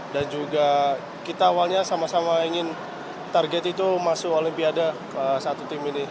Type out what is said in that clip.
dan juga kita awalnya sama sama ingin target itu masuk olimpiade satu tim ini